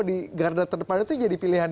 di garda terdepan itu jadi pilihan